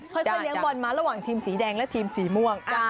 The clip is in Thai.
ค่อยเลี้ยงบอลมาระหว่างทีมสีแดงและทีมสีม่วง